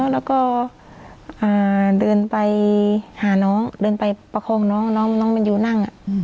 แล้วก็เดินไปหาน้องเดินไปประคองน้องน้องแมนยูนั่ง